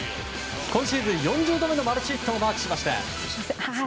今シーズン４０度目のマルチヒットをマークしました。